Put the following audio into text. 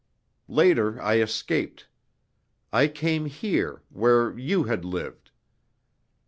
Later, I escaped. I came here where you had lived.